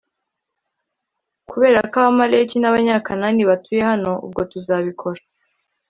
Kubera ko Abamaleki n Abanyakanani batuye hano ubwo tuzabikora